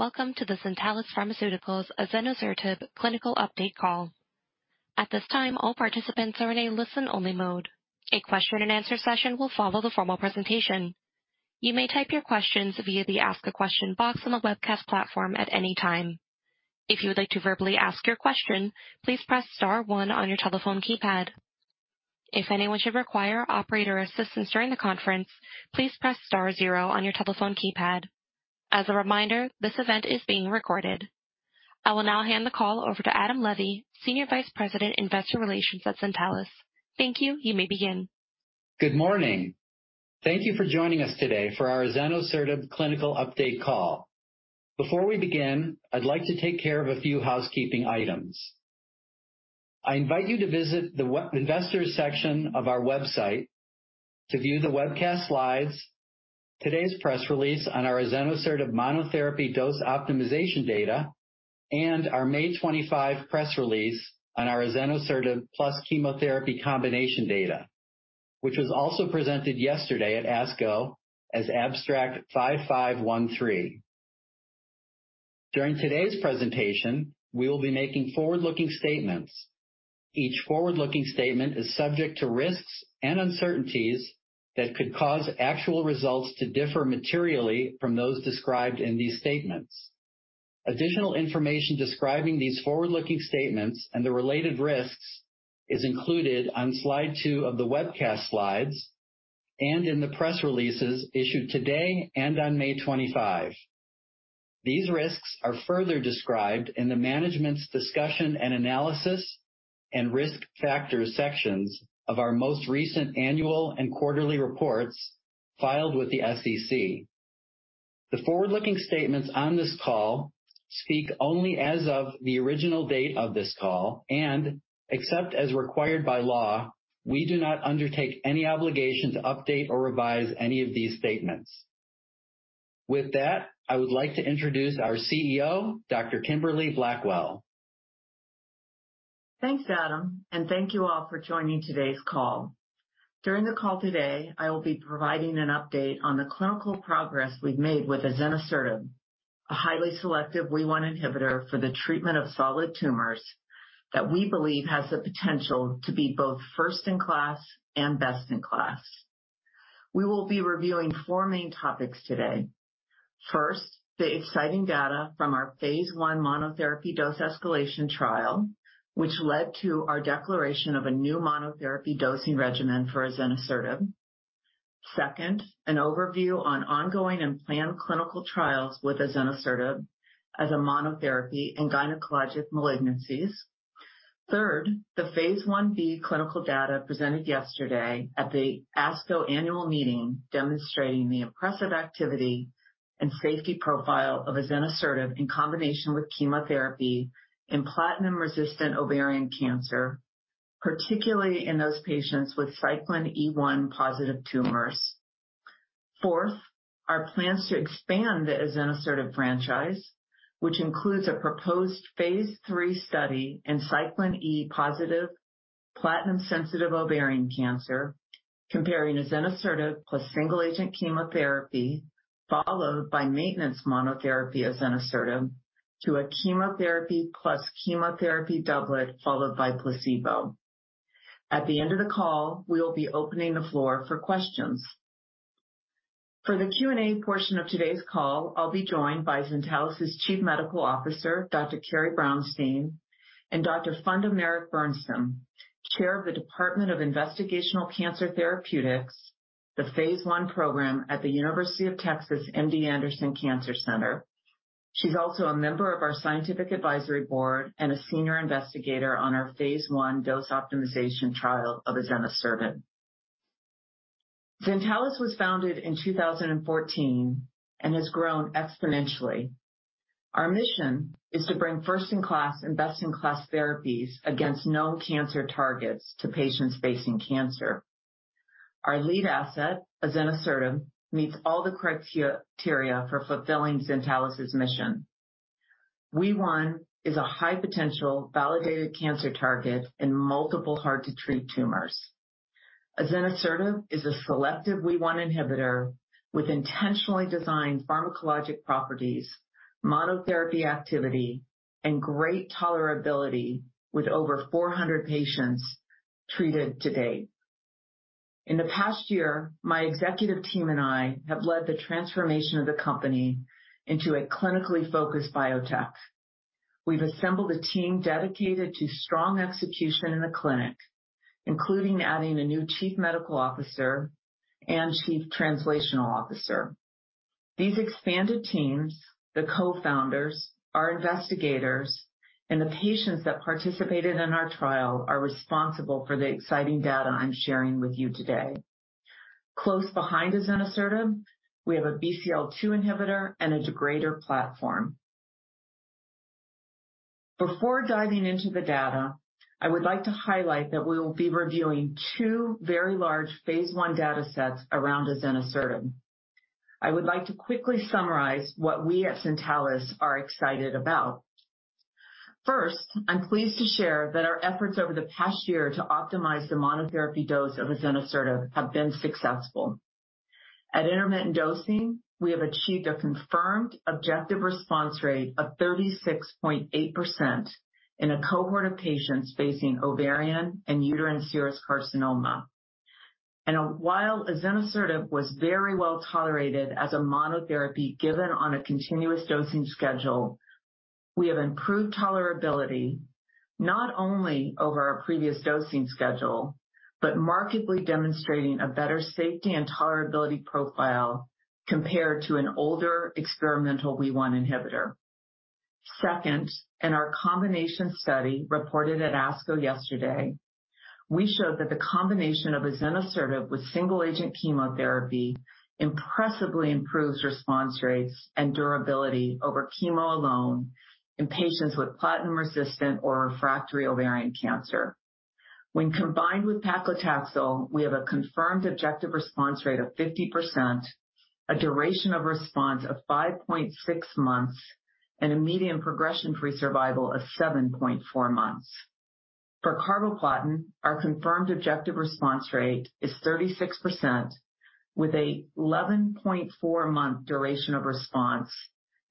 Welcome to the Zentalis Pharmaceuticals' azenosertib clinical update call. At this time, all participants are in a listen-only mode. A question and answer session will follow the formal presentation. You may type your questions via the Ask a Question box on the webcast platform at any time. If you would like to verbally ask your question, please press star one on your telephone keypad. If anyone should require operator assistance during the conference, please press star zero on your telephone keypad. As a reminder, this event is being recorded. I will now hand the call over to Adam Levy, Senior Vice President, Investor Relations at Zentalis. Thank you. You may begin. Good morning. Thank you for joining us today for our azenosertib clinical update call. Before we begin, I'd like to take care of a few housekeeping items. I invite you to visit the investors section of our website to view the webcast slides, today's press release on our azenosertib monotherapy dose optimization data, and our May 25 press release on our azenosertib plus chemotherapy combination data, which was also presented yesterday at ASCO as abstract 5513. During today's presentation, we will be making forward-looking statements. Each forward-looking statement is subject to risks and uncertainties that could cause actual results to differ materially from those described in these statements. Additional information describing these forward-looking statements and the related risks is included on slide two of the webcast slides and in the press releases issued today and on May 25. These risks are further described in the Management's Discussion and Analysis and Risk Factors sections of our most recent annual and quarterly reports filed with the SEC. The forward-looking statements on this call speak only as of the original date of this call, and except as required by law, we do not undertake any obligation to update or revise any of these statements. With that, I would like to introduce our CEO, Dr. Kimberly Blackwell. Thanks, Adam. Thank you all for joining today's call. During the call today, I will be providing an update on the clinical progress we've made with azenosertib, a highly selective WEE1 inhibitor for the treatment of solid tumors that we believe has the potential to be both first-in-class and best-in-class. We will be reviewing four main topics today. First, the exciting data from our phase 1 monotherapy dose escalation trial, which led to our declaration of a new monotherapy dosing regimen for azenosertib. Second, an overview on ongoing and planned clinical trials with azenosertib as a monotherapy in gynecologic malignancies. Third, the phase 1b clinical data presented yesterday at the ASCO annual meeting, demonstrating the impressive activity and safety profile of azenosertib in combination with chemotherapy in platinum-resistant ovarian cancer, particularly in those patients with Cyclin E1 positive tumors. Fourth, our plans to expand the azenosertib franchise, which includes a proposed Phase 3 study in Cyclin E-positive, platinum-sensitive ovarian cancer, comparing azenosertib plus single-agent chemotherapy, followed by maintenance monotherapy azenosertib to a chemotherapy plus chemotherapy doublet, followed by placebo. At the end of the call, we will be opening the floor for questions. For the Q&A portion of today's call, I'll be joined by Zentalis' Chief Medical Officer, Dr. Carrie Brownstein, and Dr. Funda Meric-Bernstam, Chair of the Department of Investigational Cancer Therapeutics, the Phase 1 program at the University of Texas MD Anderson Cancer Center. She's also a member of our scientific advisory board and a senior investigator on our Phase 1 dose optimization trial of azenosertib. Zentalis was founded in 2014 and has grown exponentially. Our mission is to bring first-in-class and best-in-class therapies against known cancer targets to patients facing cancer. Our lead asset, azenosertib, meets all the criteria for fulfilling Zentalis' mission. WEE1 is a high potential validated cancer target in multiple hard-to-treat tumors. Azenosertib is a selective WEE1 inhibitor with intentionally designed pharmacologic properties, monotherapy activity, and great tolerability, with over 400 patients treated to date. In the past year, my executive team and I have led the transformation of the company into a clinically focused biotech. We've assembled a team dedicated to strong execution in the clinic, including adding a new chief medical officer and chief translational officer. These expanded teams, the co-founders, our investigators, and the patients that participated in our trial, are responsible for the exciting data I'm sharing with you today. Close behind azenosertib, we have a BCL-2 inhibitor and a degrader platform. Before diving into the data, I would like to highlight that we will be reviewing 2 very large phase 1 datasets around azenosertib. I would like to quickly summarize what we at Zentalis are excited about. First, I'm pleased to share that our efforts over the past year to optimize the monotherapy dose of azenosertib have been successful. At intermittent dosing, we have achieved a confirmed objective response rate of 36.8% in a cohort of patients facing ovarian and uterine serous carcinoma. While azenosertib was very well tolerated as a monotherapy given on a continuous dosing schedule, we have improved tolerability not only over our previous dosing schedule, but markedly demonstrating a better safety and tolerability profile compared to an older experimental WEE1 inhibitor. Second, in our combination study reported at ASCO yesterday, we showed that the combination of azenosertib with single-agent chemotherapy impressively improves response rates and durability over chemo alone in patients with platinum-resistant or refractory ovarian cancer. When combined with paclitaxel, we have a confirmed objective response rate of 50%, a duration of response of 5.6 months, and a median progression-free survival of 7.4 months. For carboplatin, our confirmed objective response rate is 36%, with an 11.4-month duration of response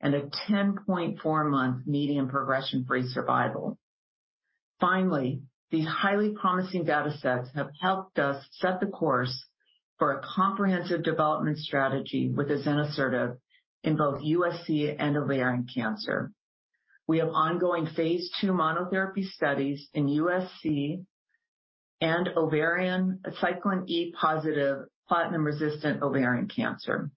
and a 10.4-month median progression-free survival. Finally, these highly promising data sets have helped us set the course for a comprehensive development strategy with azenosertib in both USC and ovarian cancer. We have ongoing phase 2 monotherapy studies in USC and ovarian, Cyclin E-positive, platinum-resistant ovarian cancer.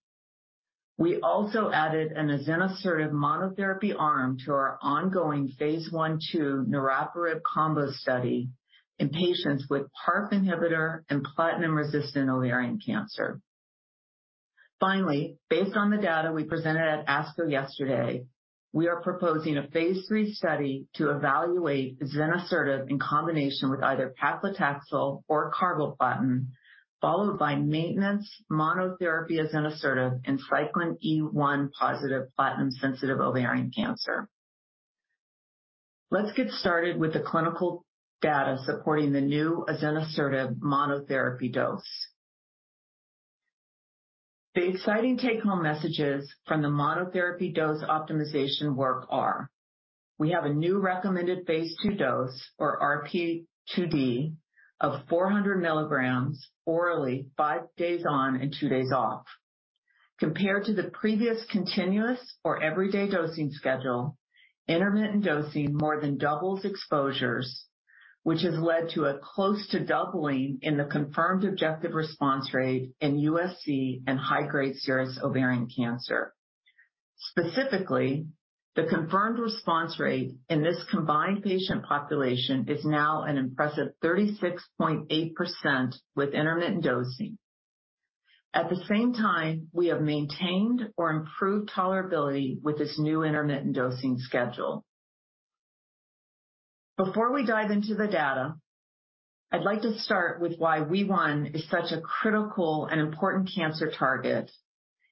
We also added an azenosertib monotherapy arm to our ongoing Phase 1/2 niraparib combo study in patients with PARP inhibitor and platinum-resistant ovarian cancer. Based on the data we presented at ASCO yesterday, we are proposing a Phase 3 study to evaluate azenosertib in combination with either paclitaxel or carboplatin, followed by maintenance monotherapy azenosertib in Cyclin E1-positive platinum-sensitive ovarian cancer. Let's get started with the clinical data supporting the new azenosertib monotherapy dose. The exciting take-home messages from the monotherapy dose optimization work are: We have a new recommended Phase 2 dose, or RP2D, of 400 milligrams orally, 5 days on and 2 days off. Compared to the previous continuous or everyday dosing schedule, intermittent dosing more than doubles exposures, which has led to a close to doubling in the confirmed objective response rate in USC and high-grade serous ovarian cancer. Specifically, the confirmed response rate in this combined patient population is now an impressive 36.8% with intermittent dosing. At the same time, we have maintained or improved tolerability with this new intermittent dosing schedule. Before we dive into the data, I'd like to start with why WEE1 is such a critical and important cancer target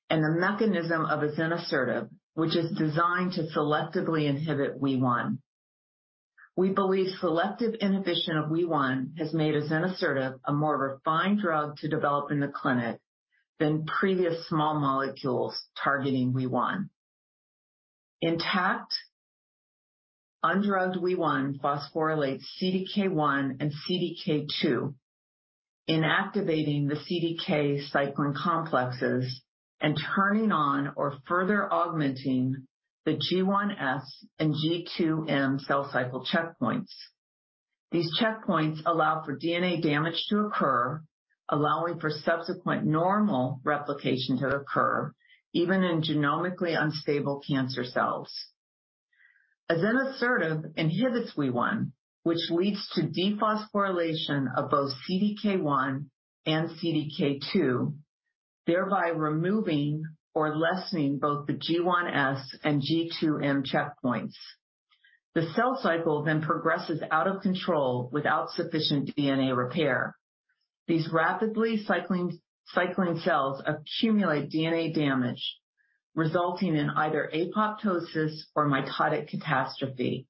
and the mechanism of azenosertib, which is designed to selectively inhibit WEE1. We believe selective inhibition of WEE1 has made azenosertib a more refined drug to develop in the clinic than previous small molecules targeting WEE1. Intact, undrugged WEE1 phosphorylates CDK1 and CDK2, inactivating the CDK cycling complexes and turning on or further augmenting the G1S and G2M cell cycle checkpoints. These checkpoints allow for DNA damage to occur, allowing for subsequent normal replication to occur, even in genomically unstable cancer cells. Azenosertib inhibits WEE1, which leads to dephosphorylation of both CDK1 and CDK2, thereby removing or lessening both the G1S and G2M checkpoints. The cell cycle progresses out of control without sufficient DNA repair. These rapidly cycling cells accumulate DNA damage, resulting in either apoptosis or mitotic catastrophe.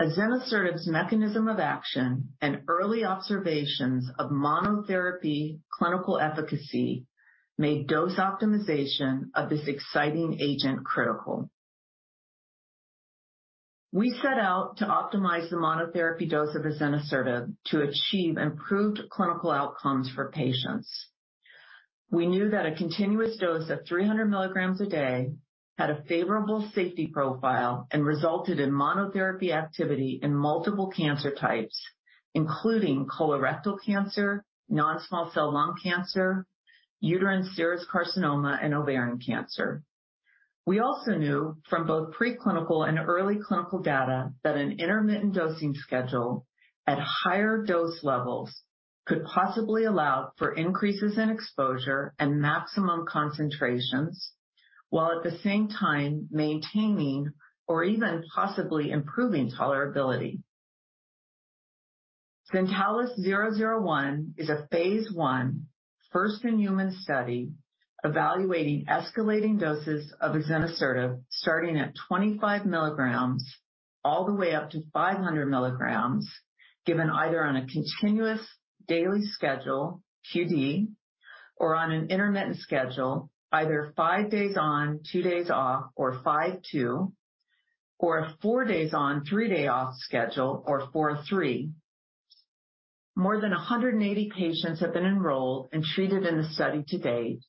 Azenosertib's mechanism of action and early observations of monotherapy clinical efficacy made dose optimization of this exciting agent critical. We set out to optimize the monotherapy dose of azenosertib to achieve improved clinical outcomes for patients. We knew that a continuous dose of 300 milligrams a day had a favorable safety profile and resulted in monotherapy activity in multiple cancer types, including colorectal cancer, non-small cell lung cancer, uterine serous carcinoma, and ovarian cancer. We also knew from both preclinical and early clinical data that an intermittent dosing schedule at higher dose levels could possibly allow for increases in exposure and maximum concentrations, while at the same time maintaining or even possibly improving tolerability. ZN-c3-001 is a phase 1, first-in-human study, evaluating escalating doses of azenosertib, starting at 25 milligrams all the way up to 500 milligrams, given either on a continuous daily schedule, QD, or on an intermittent schedule, either 5 days on, 2 days off, or 5-2, or a 4 days on, 3 day off schedule, or 4-3. More than 180 patients have been enrolled and treated in the study to date.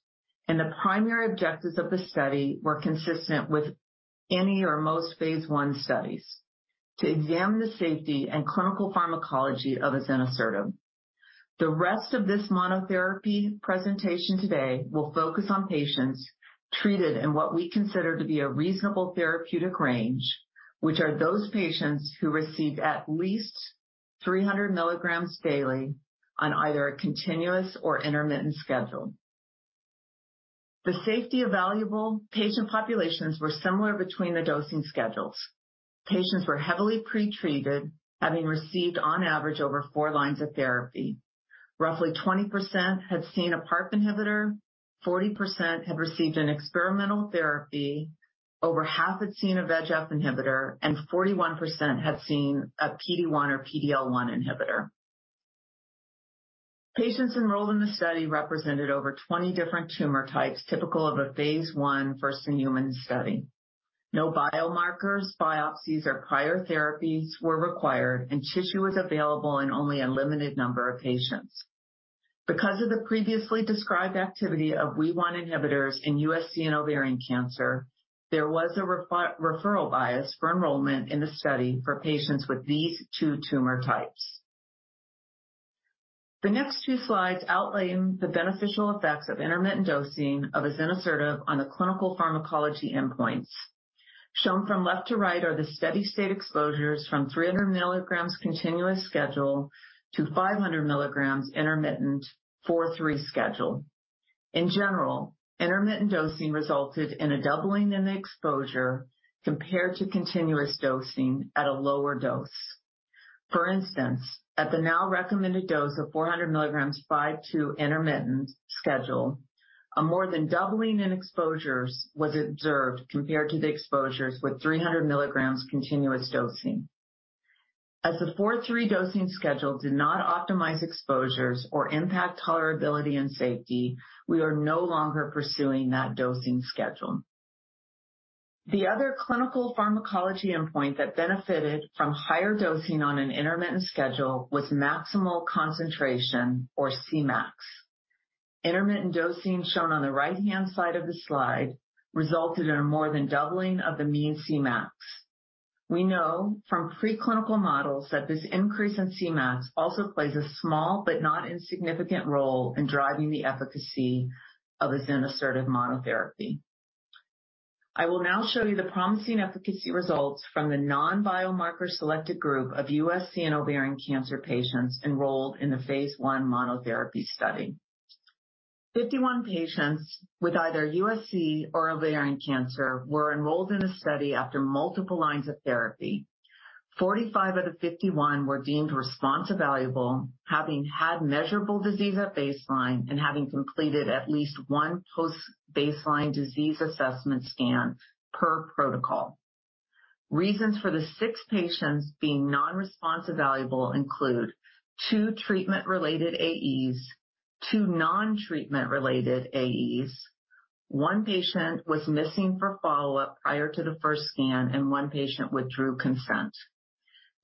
The primary objectives of the study were consistent with any or most phase 1 studies, to examine the safety and clinical pharmacology of azenosertib. The rest of this monotherapy presentation today will focus on patients treated in what we consider to be a reasonable therapeutic range, which are those patients who received at least 300 milligrams daily on either a continuous or intermittent schedule. The safety evaluable patient populations were similar between the dosing schedules. Patients were heavily pre-treated, having received, on average, over four lines of therapy. Roughly 20% had seen a PARP inhibitor, 40% had received an experimental therapy, over half had seen a VEGF inhibitor. Forty-one percent had seen a PD-1 or PD-L1 inhibitor. Patients enrolled in the study represented over 20 different tumor types, typical of a phase 1 first-in-human study. No biomarkers, biopsies, or prior therapies were required, and tissue was available in only a limited number of patients. Because of the previously described activity of WEE1 inhibitors in USC and ovarian cancer, there was a referral bias for enrollment in the study for patients with these two tumor types. The next two slides outline the beneficial effects of intermittent dosing of azenosertib on the clinical pharmacology endpoints. Shown from left to right are the steady state exposures from 300 milligrams continuous schedule to 500 milligrams intermittent 4-3 schedule. In general, intermittent dosing resulted in a doubling in the exposure compared to continuous dosing at a lower dose. For instance, at the now recommended dose of 400 milligrams 5-2 intermittent schedule, a more than doubling in exposures was observed compared to the exposures with 300 milligrams continuous dosing. As the 4-3 dosing schedule did not optimize exposures or impact tolerability and safety, we are no longer pursuing that dosing schedule. The other clinical pharmacology endpoint that benefited from higher dosing on an intermittent schedule was maximal concentration, or Cmax. Intermittent dosing, shown on the right-hand side of the slide, resulted in a more than doubling of the mean Cmax. We know from preclinical models that this increase in Cmax also plays a small but not insignificant role in driving the efficacy of azenosertib monotherapy. I will now show you the promising efficacy results from the non-biomarker selected group of USC and ovarian cancer patients enrolled in the phase 1 monotherapy study. 51 patients with either USC or ovarian cancer were enrolled in a study after multiple lines of therapy. 45 out of 51 were deemed response evaluable, having had measurable disease at baseline and having completed at least one post-baseline disease assessment scan per protocol. Reasons for the 6 patients being non-response evaluable include 2 treatment-related AEs, 2 non-treatment related AEs, 1 patient was missing for follow-up prior to the first scan, and 1 patient withdrew consent.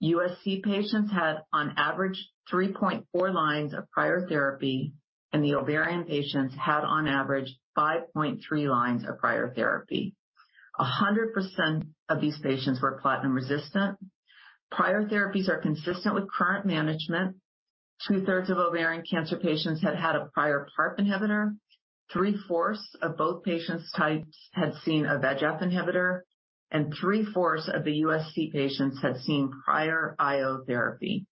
USC patients had on average 3.4 lines of prior therapy, and the ovarian patients had on average 5.3 lines of prior therapy. 100% of these patients were platinum resistant. Prior therapies are consistent with current management. Two-thirds of ovarian cancer patients had a prior PARP inhibitor. Three-fourths of both patients types had seen a VEGF inhibitor, and three-fourths of the USC patients had seen prior IO therapy.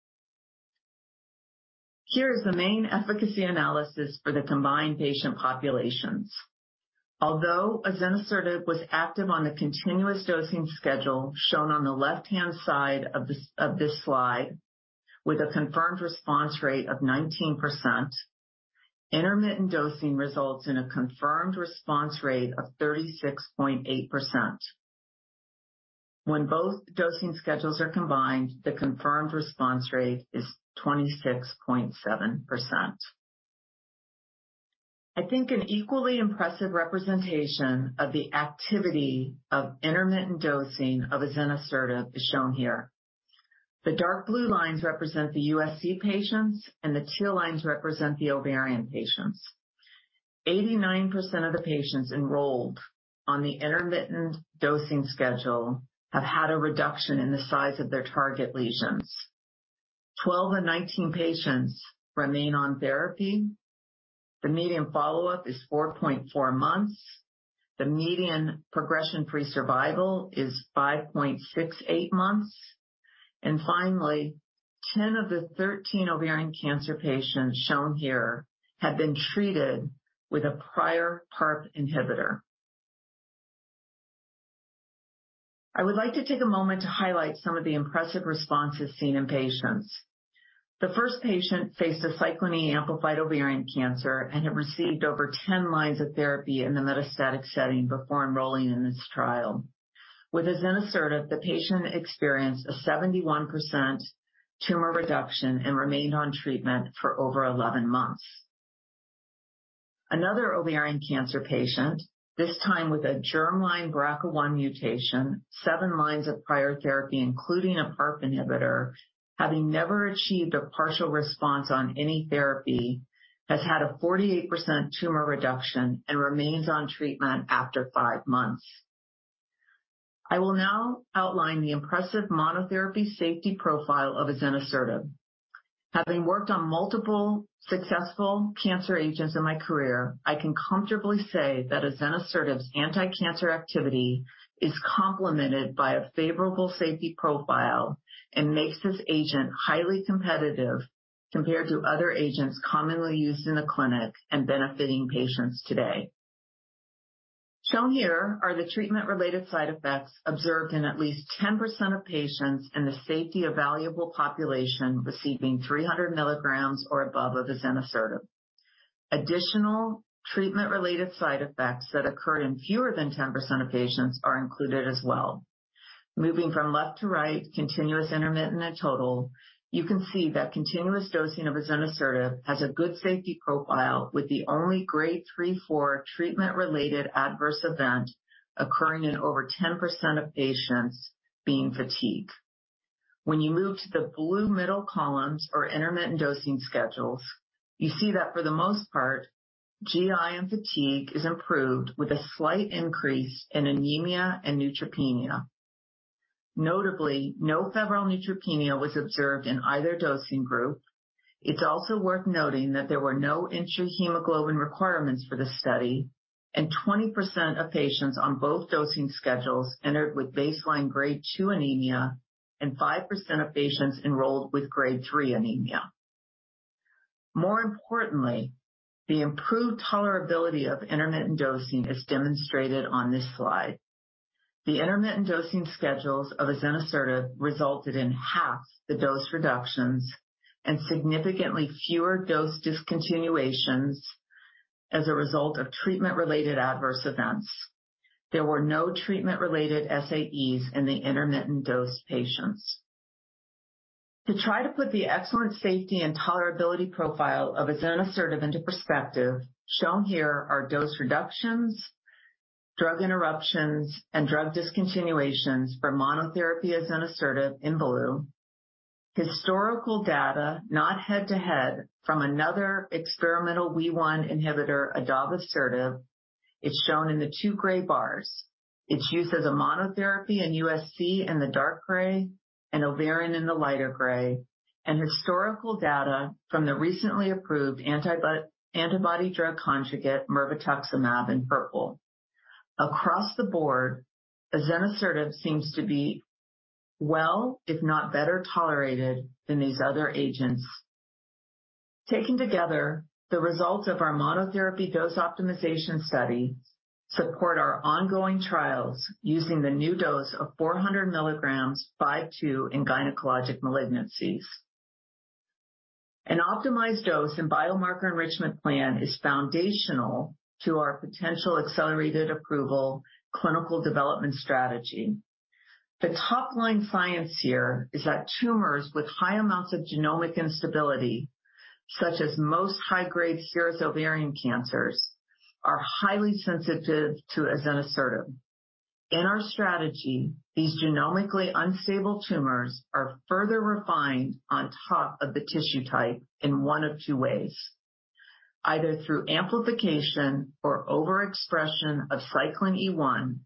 Here is the main efficacy analysis for the combined patient populations. Although azenosertib was active on the continuous dosing schedule shown on the left-hand side of this slide, with a confirmed response rate of 19%, intermittent dosing results in a confirmed response rate of 36.8%. When both dosing schedules are combined, the confirmed response rate is 26.7%. I think an equally impressive representation of the activity of intermittent dosing of azenosertib is shown here. The dark blue lines represent the USC patients, and the teal lines represent the ovarian patients. 89% of the patients enrolled on the intermittent dosing schedule have had a reduction in the size of their target lesions. 12 and 19 patients remain on therapy. The median follow-up is 4.4 months. The median progression-free survival is 5.68 months. Finally, 10 of the 13 ovarian cancer patients shown here have been treated with a prior PARP inhibitor. I would like to take a moment to highlight some of the impressive responses seen in patients. The first patient faced a Cyclin E-amplified ovarian cancer and had received over 10 lines of therapy in the metastatic setting before enrolling in this trial. With azenosertib, the patient experienced a 71% tumor reduction and remained on treatment for over 11 months. Another ovarian cancer patient, this time with a germline BRCA1 mutation, 7 lines of prior therapy, including a PARP inhibitor, having never achieved a partial response on any therapy, has had a 48% tumor reduction and remains on treatment after 5 months. I will now outline the impressive monotherapy safety profile of azenosertib. Having worked on multiple successful cancer agents in my career, I can comfortably say that azenosertib's anticancer activity is complemented by a favorable safety profile and makes this agent highly competitive compared to other agents commonly used in the clinic and benefiting patients today. Shown here are the treatment-related side effects observed in at least 10% of patients and the safety evaluable population receiving 300 milligrams or above of azenosertib. Additional treatment-related side effects that occur in fewer than 10% of patients are included as well. Moving from left to right, continuous, intermittent, and total, you can see that continuous dosing of azenosertib has a good safety profile, with the only grade 3/4 treatment-related adverse event occurring in over 10% of patients being fatigue. When you move to the blue middle columns or intermittent dosing schedules, you see that for the most part, GI and fatigue is improved with a slight increase in anemia and neutropenia. Notably, no febrile neutropenia was observed in either dosing group. It's also worth noting that there were no intra hemoglobin requirements for the study, and 20% of patients on both dosing schedules entered with baseline grade 2 anemia, and 5% of patients enrolled with grade 3 anemia. The improved tolerability of intermittent dosing is demonstrated on this slide. The intermittent dosing schedules of azenosertib resulted in half the dose reductions and significantly fewer dose discontinuations as a result of treatment-related adverse events. There were no treatment-related SAEs in the intermittent dose patients. To try to put the excellent safety and tolerability profile of azenosertib into perspective, shown here are dose reductions, drug interruptions, and drug discontinuations for monotherapy azenosertib in blue. Historical data, not head-to-head, from another experimental WEE1 inhibitor, adavosertib, is shown in the two gray bars. It's used as a monotherapy in USC in the dark gray and ovarian in the lighter gray, and historical data from the recently approved antibody drug conjugate mirvetuximab in purple. Across the board, azenosertib seems to be well, if not better tolerated than these other agents. Taken together, the results of our monotherapy dose optimization study support our ongoing trials using the new dose of 400 milligrams 5-2 in gynecologic malignancies. An optimized dose and biomarker enrichment plan is foundational to our potential accelerated approval clinical development strategy. The top-line science here is that tumors with high amounts of genomic instability, such as most high-grade serous ovarian cancers, are highly sensitive to azenosertib. In our strategy, these genomically unstable tumors are further refined on top of the tissue type in one of two ways, either through amplification or overexpression of Cyclin E1,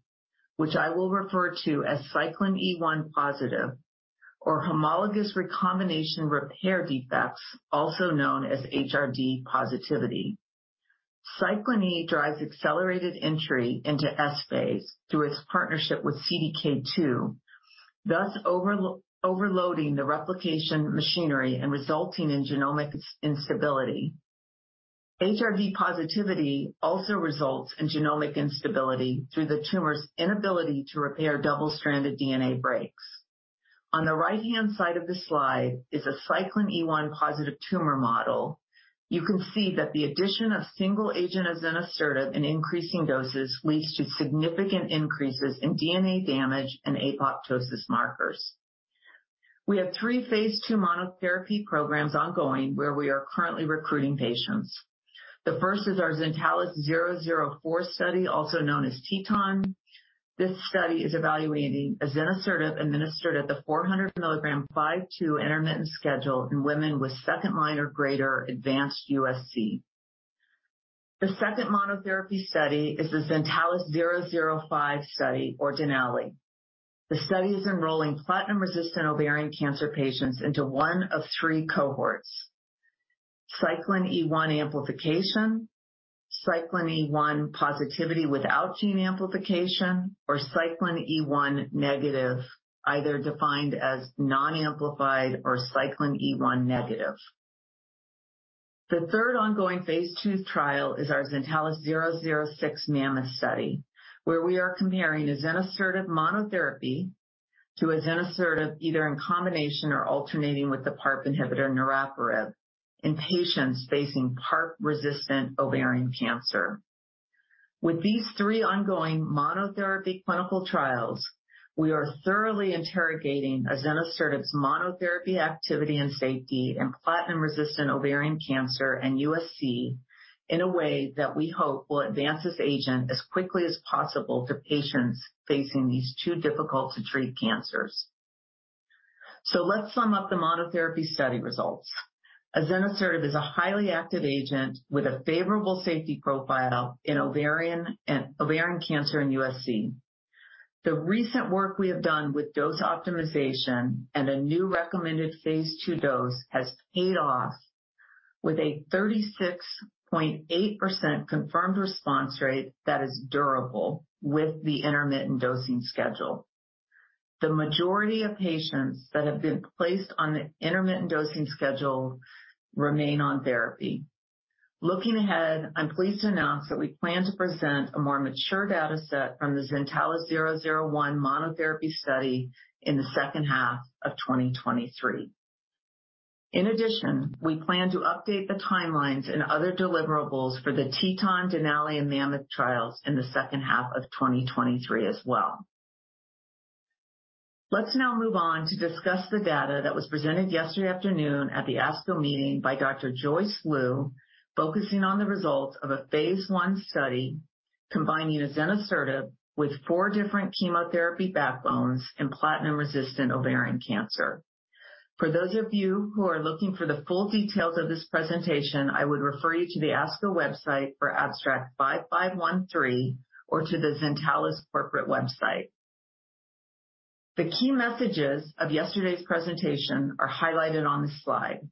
which I will refer to as Cyclin E1-positive, or homologous recombination repair defects, also known as HRD positivity. Cyclin E drives accelerated entry into S-phase through its partnership with CDK2, thus overloading the replication machinery and resulting in genomic instability. HRD positivity also results in genomic instability through the tumor's inability to repair double-stranded DNA breaks. On the right-hand side of the slide is a Cyclin E1-positive tumor model. You can see that the addition of single agent azenosertib in increasing doses leads to significant increases in DNA damage and apoptosis markers. We have 3 phase 2 monotherapy programs ongoing, where we are currently recruiting patients. The first is our Zentalis ZN-c3-004 study, also known as TETON. This study is evaluating azenosertib administered at the 400 milligram by 2 intermittent schedule in women with second-line or greater advanced USC. The second monotherapy study is the Zentalis ZN-c3-005 study or DENALI. The study is enrolling platinum-resistant ovarian cancer patients into 1 of 3 cohorts: Cyclin E1 amplification, Cyclin E1 positivity without gene amplification, or Cyclin E1 negative, either defined as non-amplified or Cyclin E1 negative. The third ongoing phase 2 trial is our Zentalis ZN-c3-006 MAMMOTH study, where we are comparing azenosertib monotherapy to azenosertib, either in combination or alternating with the PARP inhibitor niraparib, in patients facing PARP-resistant ovarian cancer. With these three ongoing monotherapy clinical trials, we are thoroughly interrogating azenosertib's monotherapy activity and safety in platinum-resistant ovarian cancer and USC in a way that we hope will advance this agent as quickly as possible to patients facing these two difficult-to-treat cancers. Let's sum up the monotherapy study results. Azenosertib is a highly active agent with a favorable safety profile in ovarian cancer in USC. The recent work we have done with dose optimization and a new recommended phase II dose has paid off with a 36.8% confirmed response rate that is durable with the intermittent dosing schedule. The majority of patients that have been placed on the intermittent dosing schedule remain on therapy. Looking ahead, I'm pleased to announce that we plan to present a more mature data set from the ZN-c3-001 monotherapy study in the second half of 2023. We plan to update the timelines and other deliverables for the TETON, DENALI, and MAMMOTH trials in the second half of 2023 as well. Let's now move on to discuss the data that was presented yesterday afternoon at the ASCO meeting by Dr. Joyce Liu, focusing on the results of a phase 1 study combining azenosertib with four different chemotherapy backbones and platinum-resistant ovarian cancer. For those of you who are looking for the full details of this presentation, I would refer you to the ASCO website for abstract 5513 or to the Zentalis corporate website. The key messages of yesterday's presentation are highlighted on this slide.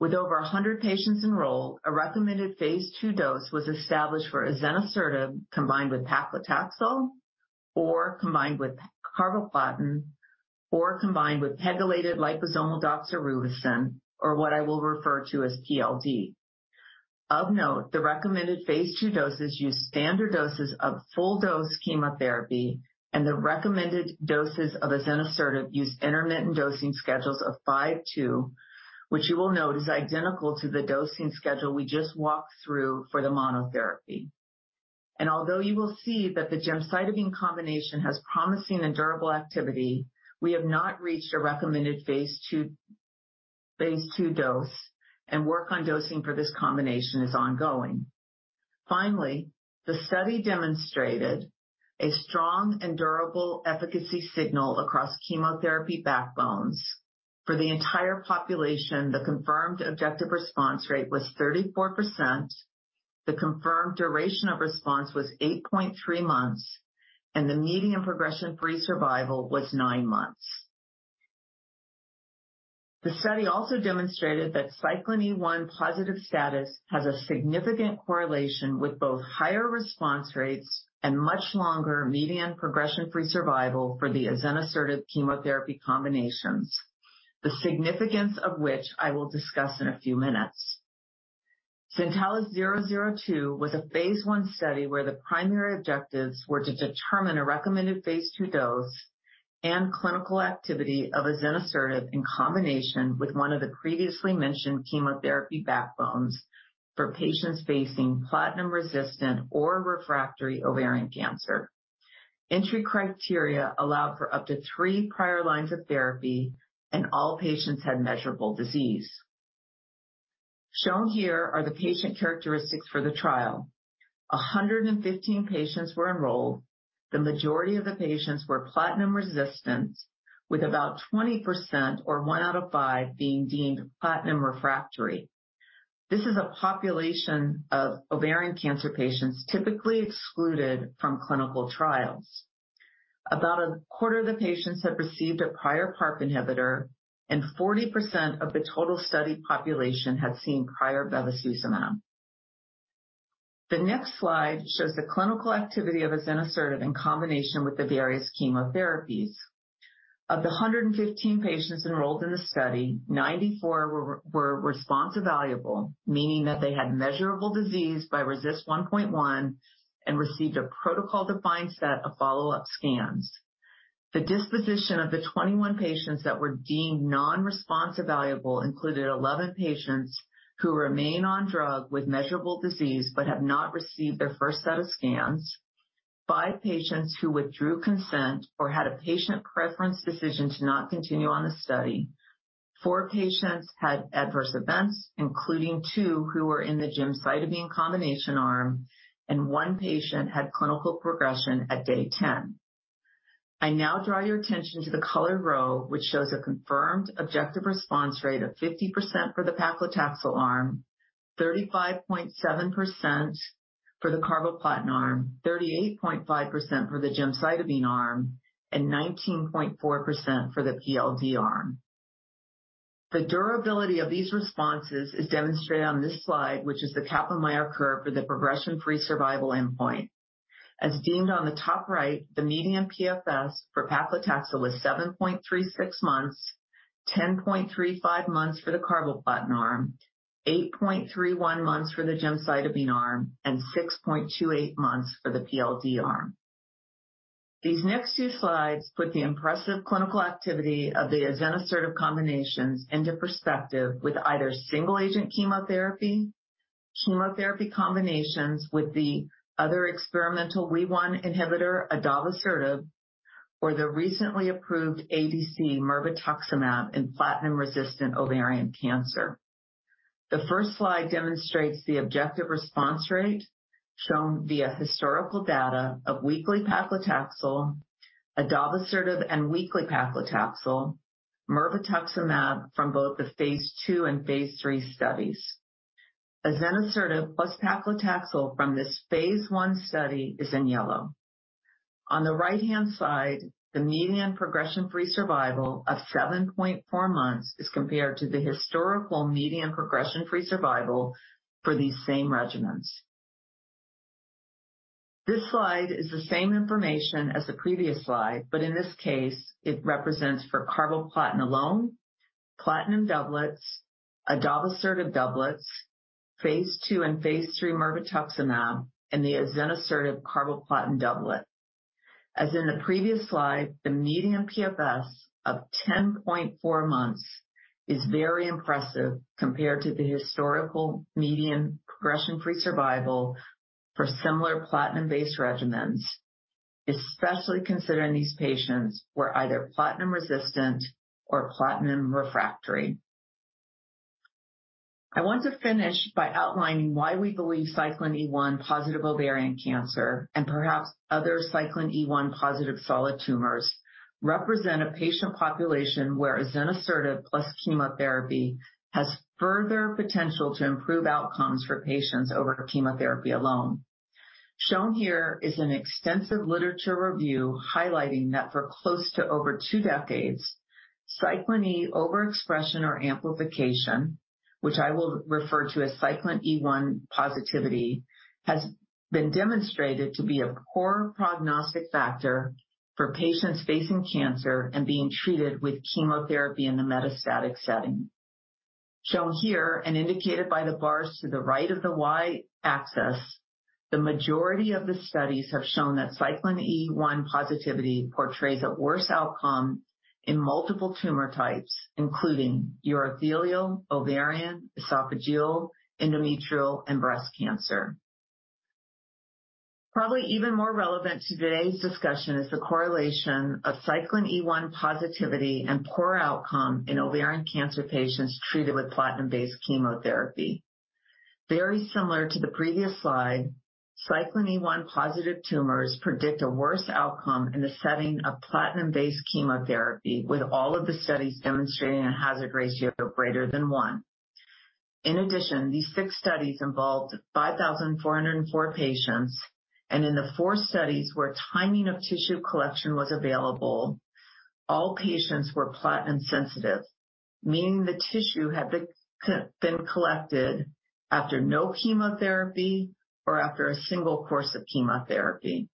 With over 100 patients enrolled, a recommended phase II dose was established for azenosertib, combined with paclitaxel or combined with carboplatin, or combined with pegylated liposomal doxorubicin, or what I will refer to as PLD. Of note, the recommended phase II doses use standard doses of full-dose chemotherapy, the recommended doses of azenosertib use intermittent dosing schedules of 5/2, which you will note is identical to the dosing schedule we just walked through for the monotherapy. Although you will see that the gemcitabine combination has promising and durable activity, we have not reached a recommended phase II dose, work on dosing for this combination is ongoing. Finally, the study demonstrated a strong and durable efficacy signal across chemotherapy backbones. For the entire population, the confirmed objective response rate was 34%, the confirmed duration of response was 8.3 months, and the median progression-free survival was 9 months. The study also demonstrated that Cyclin E1 positive status has a significant correlation with both higher response rates and much longer median progression-free survival for the azenosertib chemotherapy combinations, the significance of which I will discuss in a few minutes. Zentalis 002 was a phase I study where the primary objectives were to determine a recommended phase II dose and clinical activity of azenosertib in combination with one of the previously mentioned chemotherapy backbones for patients facing platinum-resistant or refractory ovarian cancer. Entry criteria allowed for up to 3 prior lines of therapy, and all patients had measurable disease. Shown here are the patient characteristics for the trial. 115 patients were enrolled. The majority of the patients were platinum-resistant, with about 20% or 1 out of 5 being deemed platinum refractory. This is a population of ovarian cancer patients typically excluded from clinical trials. About a quarter of the patients had received a prior PARP inhibitor, and 40% of the total study population had seen prior bevacizumab. The next slide shows the clinical activity of azenosertib in combination with the various chemotherapies. Of the 115 patients enrolled in the study, 94 were response evaluable, meaning that they had measurable disease by RECIST 1.1, and received a protocol-defined set of follow-up scans. The disposition of the 21 patients that were deemed non-response evaluable included 11 patients who remain on drug with measurable disease but have not received their first set of scans. Five patients who withdrew consent or had a patient preference decision to not continue on the study. Four patients had adverse events, including two who were in the gemcitabine combination arm, and one patient had clinical progression at day 10. I now draw your attention to the colored row, which shows a confirmed objective response rate of 50% for the paclitaxel arm, 35.7% for the carboplatin arm, 38.5% for the gemcitabine arm, and 19.4% for the PLD arm. The durability of these responses is demonstrated on this slide, which is the Kaplan-Meier curve for the progression-free survival endpoint. As deemed on the top right, the median PFS for paclitaxel was 7.36 months, 10.35 months for the carboplatin arm, 8.31 months for the gemcitabine arm, 6.28 months for the PLD arm. These next two slides put the impressive clinical activity of the azenosertib combinations into perspective, with either single agent chemotherapy combinations with the other experimental WEE1 inhibitor, adavosertib, or the recently approved ADC mirvetuximab in platinum-resistant ovarian cancer. The first slide demonstrates the objective response rate shown via historical data of weekly paclitaxel, adavosertib and weekly paclitaxel, mirvetuximab from both the phase II and phase III studies. Azenosertib plus paclitaxel from this phase I study is in yellow. On the right-hand side, the median progression-free survival of 7.4 months is compared to the historical median progression-free survival for these same regimens. This slide is the same information as the previous slide, but in this case, it represents for carboplatin alone, platinum doublets, adavosertib doublets, Phase 2 and Phase 3 mirvetuximab, and the azenosertib carboplatin doublet. As in the previous slide, the median PFS of 10.4 months is very impressive compared to the historical median progression-free survival for similar platinum-based regimens, especially considering these patients were either platinum resistant or platinum refractory. I want to finish by outlining why we believe Cyclin E1 positive ovarian cancer, and perhaps other Cyclin E1 positive solid tumors, represent a patient population where azenosertib plus chemotherapy has further potential to improve outcomes for patients over chemotherapy alone. Shown here is an extensive literature review highlighting that for close to over 2 decades, Cyclin E overexpression or amplification, which I will refer to as Cyclin E1 positivity, has been demonstrated to be a poor prognostic factor for patients facing cancer and being treated with chemotherapy in the metastatic setting. Shown here and indicated by the bars to the right of the Y-axis, the majority of the studies have shown that Cyclin E1 positivity portrays a worse outcome in multiple tumor types, including urothelial, ovarian, esophageal, endometrial, and breast cancer. Probably even more relevant to today's discussion is the correlation of Cyclin E1 positivity and poor outcome in ovarian cancer patients treated with platinum-based chemotherapy. Very similar to the previous slide, Cyclin E1 positive tumors predict a worse outcome in the setting of platinum-based chemotherapy, with all of the studies demonstrating a hazard ratio greater than 1. These six studies involved 5,404 patients, In the four studies where timing of tissue collection was available, all patients were platinum sensitive, meaning the tissue had been collected after no chemotherapy or after a single course of chemotherapy.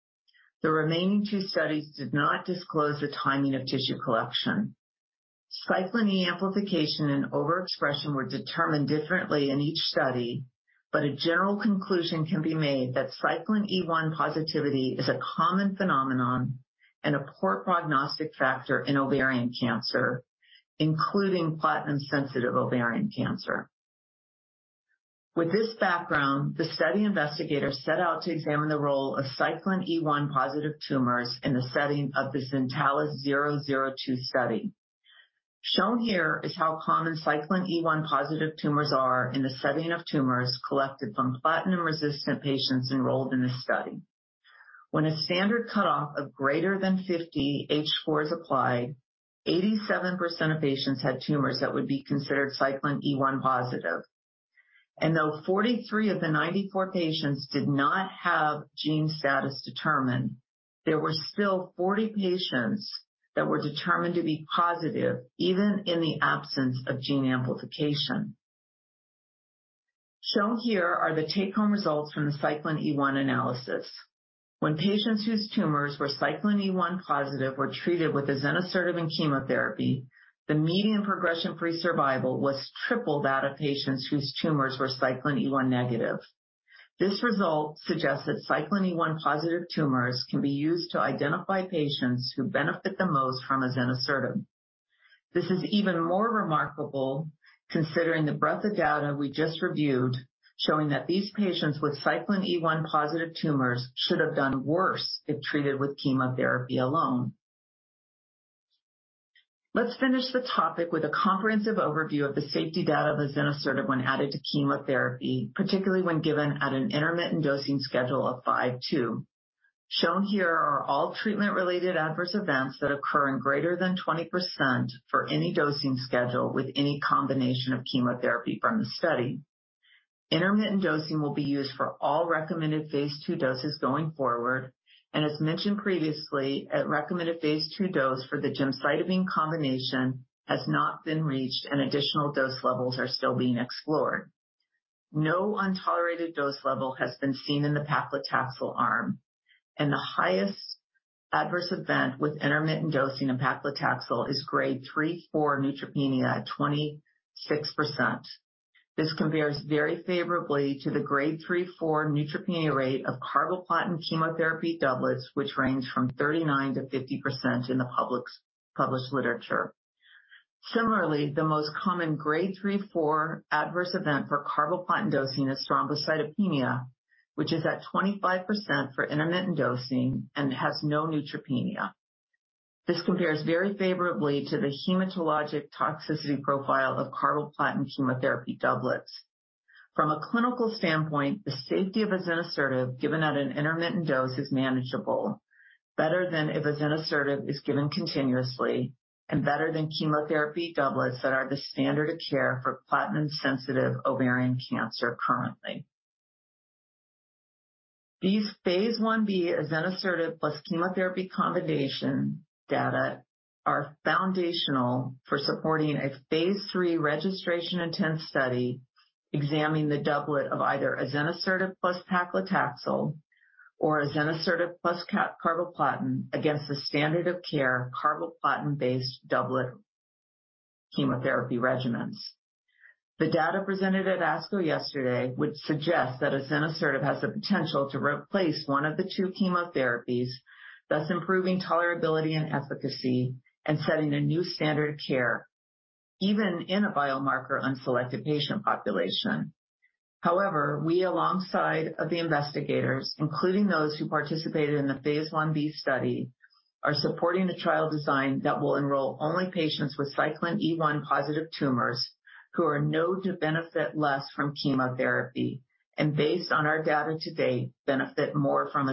The remaining two studies did not disclose the timing of tissue collection. Cyclin E amplification and overexpression were determined differently in each study, A general conclusion can be made that Cyclin E1 positivity is a common phenomenon and a poor prognostic factor in ovarian cancer, including platinum-sensitive ovarian cancer. With this background, the study investigators set out to examine the role of Cyclin E1 positive tumors in the setting of the Zentalis 002 study. Shown here is how common Cyclin E1 positive tumors are in the setting of tumors collected from platinum-resistant patients enrolled in this study. When a standard cutoff of greater than 50 H4 is applied, 87% of patients had tumors that would be considered Cyclin E1 positive. Though 43 of the 94 patients did not have gene status determined, there were still 40 patients that were determined to be positive, even in the absence of gene amplification. Shown here are the take-home results from the Cyclin E1 analysis. When patients whose tumors were Cyclin E1 positive were treated with azenosertib and chemotherapy, the median progression-free survival was triple that of patients whose tumors were Cyclin E1 negative. This result suggests that Cyclin E1 positive tumors can be used to identify patients who benefit the most from azenosertib. This is even more remarkable considering the breadth of data we just reviewed, showing that these patients with Cyclin E1 positive tumors should have done worse if treated with chemotherapy alone. Let's finish the topic with a comprehensive overview of the safety data of azenosertib when added to chemotherapy, particularly when given at an intermittent dosing schedule of 5/2. Shown here are all treatment-related adverse events that occur in greater than 20% for any dosing schedule with any combination of chemotherapy from the study. Intermittent dosing will be used for all recommended Phase 2 doses going forward. As mentioned previously, a recommended Phase 2 dose for the gemcitabine combination has not been reached and additional dose levels are still being explored. No untolerated dose level has been seen in the paclitaxel arm. The highest adverse event with intermittent dosing of paclitaxel is grade 3, 4 neutropenia at 26%. This compares very favorably to the grade 3, 4 neutropenia rate of carboplatin chemotherapy doublets, which range from 39%-50% in the published literature. Similarly, the most common grade 3, 4 adverse event for carboplatin dosing is thrombocytopenia, which is at 25% for intermittent dosing and has no neutropenia. This compares very favorably to the hematologic toxicity profile of carboplatin chemotherapy doublets. From a clinical standpoint, the safety of azenosertib, given at an intermittent dose, is manageable, better than if azenosertib is given continuously, and better than chemotherapy doublets that are the standard of care for platinum-sensitive ovarian cancer currently. These phase 1a/1b azenosertib plus chemotherapy combination data are foundational for supporting a phase 3 registration-intent study examining the doublet of either azenosertib plus paclitaxel or azenosertib plus carboplatin against the standard of care carboplatin-based doublet chemotherapy regimens. The data presented at ASCO yesterday would suggest that azenosertib has the potential to replace 1 of the 2 chemotherapies, thus improving tolerability and efficacy and setting a new standard of care, even in a biomarker-unselected patient population. We, alongside of the investigators, including those who participated in the phase 1b study, are supporting a trial design that will enroll only patients with Cyclin E1-positive tumors who are known to benefit less from chemotherapy and, based on our data to date, benefit more from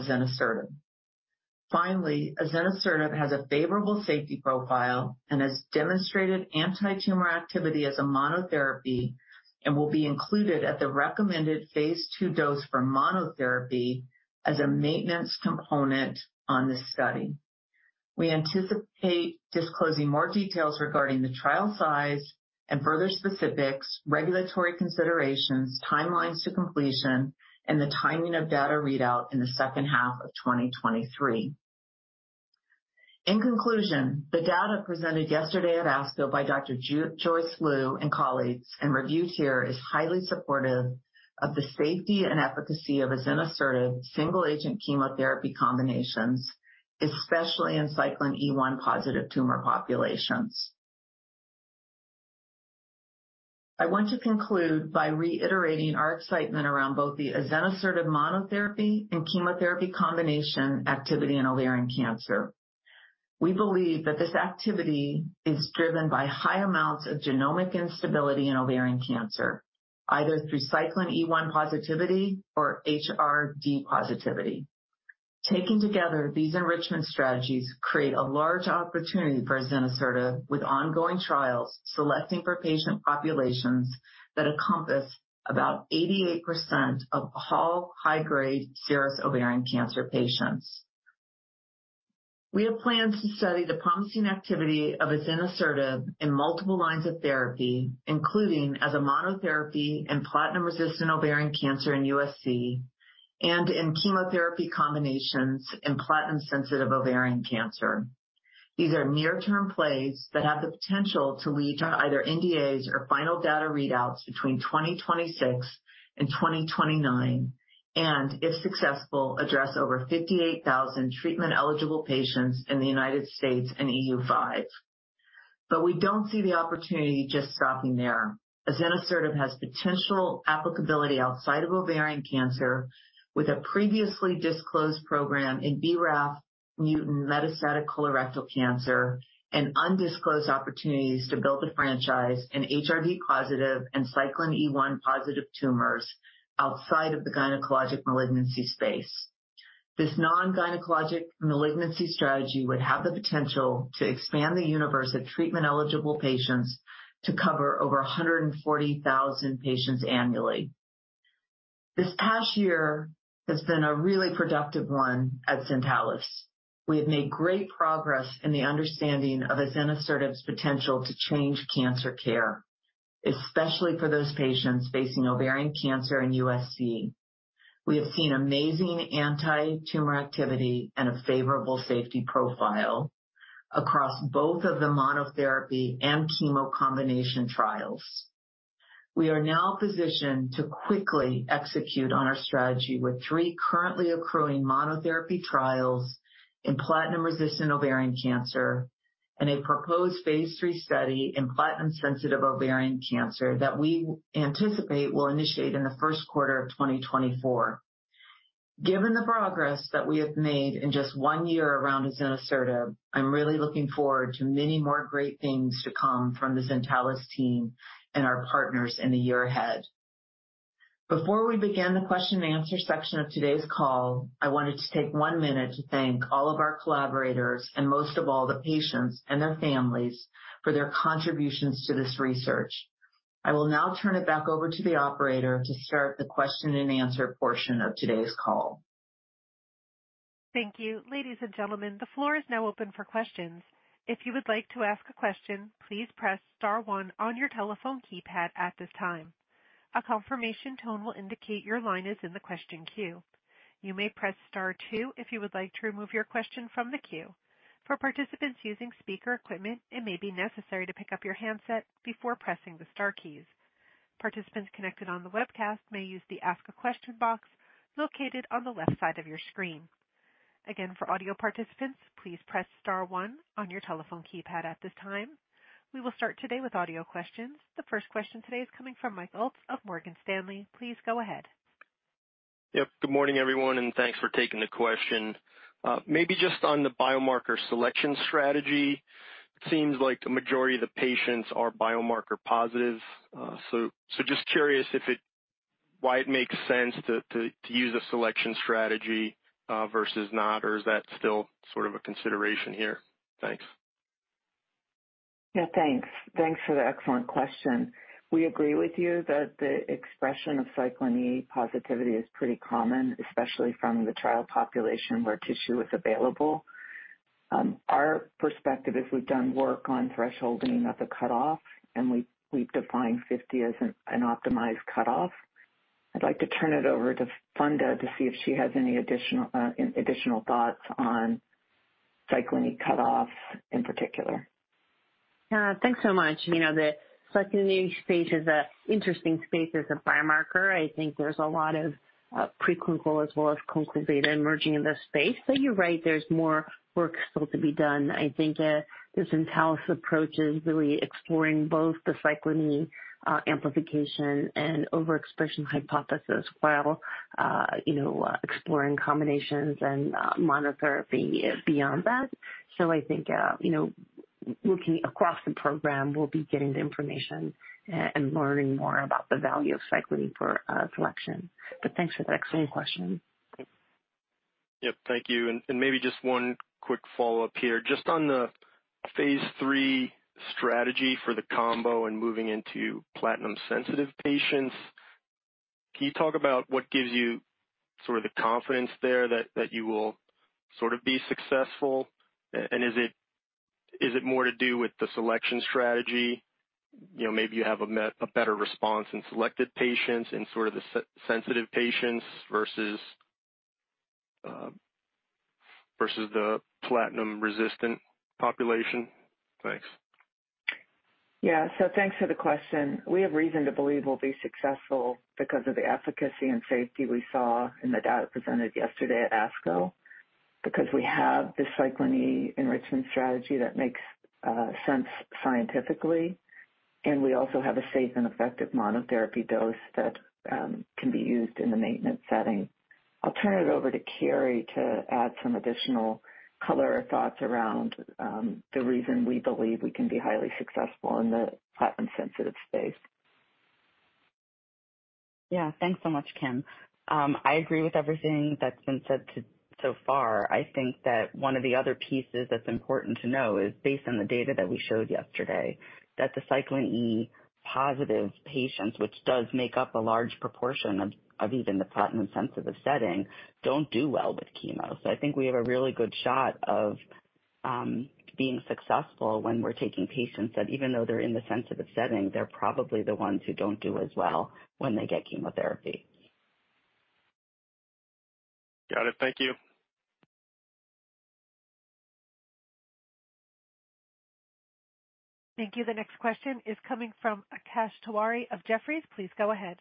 azenosertib. Azenosertib has a favorable safety profile and has demonstrated antitumor activity as a monotherapy and will be included at the recommended phase 2 dose for monotherapy as a maintenance component on this study. We anticipate disclosing more details regarding the trial size and further specifics, regulatory considerations, timelines to completion, and the timing of data readout in the second half of 2023. In conclusion, the data presented yesterday at ASCO by Dr. Joyce Liu and colleagues, and reviewed here, is highly supportive of the safety and efficacy of azenosertib single-agent chemotherapy combinations, especially in Cyclin E1-positive tumor populations. I want to conclude by reiterating our excitement around both the azenosertib monotherapy and chemotherapy combination activity in ovarian cancer. We believe that this activity is driven by high amounts of genomic instability in ovarian cancer, either through Cyclin E1 positivity or HRD positivity. Taken together, these enrichment strategies create a large opportunity for azenosertib, with ongoing trials selecting for patient populations that encompass about 88% of all high-grade serous ovarian cancer patients. We have plans to study the promising activity of azenosertib in multiple lines of therapy, including as a monotherapy in platinum-resistant ovarian cancer in USC and in chemotherapy combinations in platinum-sensitive ovarian cancer. These are near-term plays that have the potential to lead to either NDAs or final data readouts between 2026 and 2029 and, if successful, address over 58,000 treatment-eligible patients in the United States and EU5. We don't see the opportunity just stopping there. azenosertib has potential applicability outside of ovarian cancer, with a previously disclosed program in BRAF mutant metastatic colorectal cancer and undisclosed opportunities to build a franchise in HRD-positive and Cyclin E1-positive tumors outside of the gynecologic malignancy space. This non-gynecologic malignancy strategy would have the potential to expand the universe of treatment-eligible patients to cover over 140,000 patients annually. This past year has been a really productive one at Zentalis. We have made great progress in the understanding of azenosertib's potential to change cancer care, especially for those patients facing ovarian cancer and USC. We have seen amazing antitumor activity and a favorable safety profile across both of the monotherapy and chemo combination trials. We are now positioned to quickly execute on our strategy with 3 currently accruing monotherapy trials in platinum-resistant ovarian cancer and a proposed phase III study in platinum-sensitive ovarian cancer that we anticipate will initiate in the Q1 of 2024. Given the progress that we have made in just 1 year around azenosertib, I'm really looking forward to many more great things to come from the Zentalis team and our partners in the year ahead. Before we begin the question and answer section of today's call, I wanted to take 1 minute to thank all of our collaborators and, most of all, the patients and their families for their contributions to this research. I will now turn it back over to the operator to start the question and answer portion of today's call. Thank you. Ladies and gentlemen, the floor is now open for questions. If you would like to ask a question, please press star one on your telephone keypad at this time. A confirmation tone will indicate your line is in the question queue. You may press star two if you would like to remove your question from the queue. For participants using speaker equipment, it may be necessary to pick up your handset before pressing the star keys. Participants connected on the webcast may use the Ask a Question box located on the left side of your screen. Again, for audio participants, please press star one on your telephone keypad at this time. We will start today with audio questions. The first question today is coming from Mike Ulz of Morgan Stanley. Please go ahead. Yep, good morning, everyone, and thanks for taking the question. Maybe just on the biomarker selection strategy, it seems like the majority of the patients are biomarker positive. Just curious if it, why it makes sense to use a selection strategy, versus not, or is that still sort of a consideration here? Thanks. Yeah, thanks. Thanks for the excellent question. We agree with you that the expression of Cyclin E positivity is pretty common, especially from the trial population where tissue is available. Our perspective is we've done work on thresholding of the cutoff, and we've defined 50 as an optimized cutoff. I'd like to turn it over to Funda to see if she has any additional thoughts on Cyclin E cutoff in particular. Thanks so much. You know, the Cyclin E space is a interesting space as a biomarker. I think there's a lot of preclinical as well as clinical data emerging in this space. You're right, there's more work still to be done. I think this Zentalis approach is really exploring both the Cyclin E amplification and overexpression hypothesis, while, you know, exploring combinations and monotherapy beyond that. I think, you know, looking across the program, we'll be getting the information and learning more about the value of Cyclin E for selection. Thanks for the excellent question. Yep, thank you. Maybe just 1 quick follow-up here. Just on the phase 3 strategy for the combo and moving into platinum-sensitive patients, can you talk about what gives you sort of the confidence there that you will sort of be successful? Is it more to do with the selection strategy? You know, maybe you have a better response in selected patients, in sort of the sensitive patients versus versus the platinum-resistant population? Thanks. Yeah. Thanks for the question. We have reason to believe we'll be successful because of the efficacy and safety we saw in the data presented yesterday at ASCO, because we have the Cyclin E enrichment strategy that makes sense scientifically, and we also have a safe and effective monotherapy dose that can be used in the maintenance setting. I'll turn it over to Carrie to add some additional color or thoughts around the reason we believe we can be highly successful in the platinum-sensitive space. Thanks so much, Kimberly. I agree with everything that's been said so far. I think that one of the other pieces that's important to know is based on the data that we showed yesterday, that the Cyclin E-positive patients, which does make up a large proportion of even the platinum-sensitive setting, don't do well with chemo. I think we have a really good shot of being successful when we're taking patients, that even though they're in the sensitive setting, they're probably the ones who don't do as well when they get chemotherapy. Got it. Thank you. Thank you. The next question is coming from Akash Tewari of Jefferies. Please go ahead.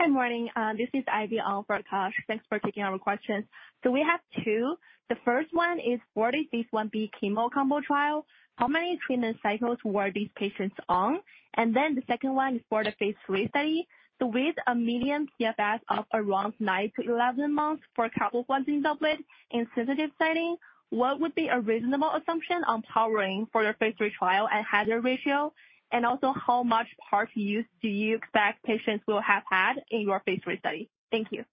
Good morning, this is Ivy on for Akash. Thanks for taking our question. We have two. The first one is, for the phase 1b chemo combo trial, how many treatment cycles were these patients on? The second one is for the phase 3 study. With a median PFS of around nine to 11 months for carboplatin doublet in sensitive setting, what would be a reasonable assumption on powering for the phase 3 trial and hazard ratio? Also, how much PARP use do you expect patients will have had in your phase 3 study? Thank you.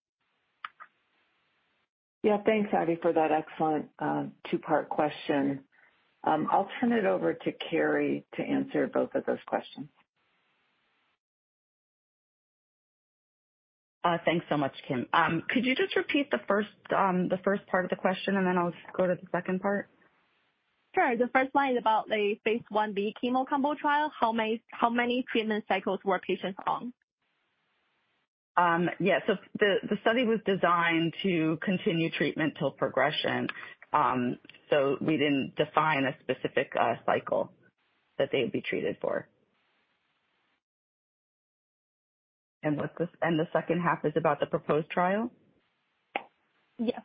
Thanks, Ivy, for that excellent two-part question. I'll turn it over to Carrie to answer both of those questions. Thanks so much, Kimberly. Could you just repeat the first part of the question, and then I'll go to the second part? Sure. The first one is about the phase 1B chemo combo trial. How many treatment cycles were patients on? Yeah. The study was designed to continue treatment till progression. We didn't define a specific cycle that they'd be treated for. What the second half is about the proposed trial? Yes.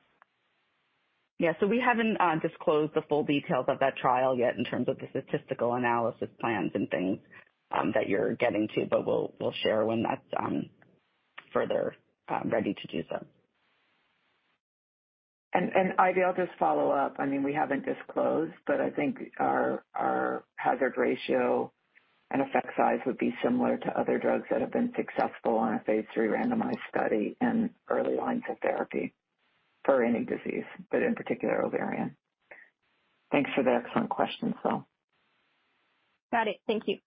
Yeah. We haven't disclosed the full details of that trial yet in terms of the statistical analysis plans and things, that you're getting to, but we'll share when that's further ready to do so. Ivy, I'll just follow up. I mean, we haven't disclosed, but I think our hazard ratio and effect size would be similar to other drugs that have been successful on a phase 3 randomized study in early lines of therapy for any disease, but in particular, ovarian. Thanks for the excellent question. Got it. Thank you.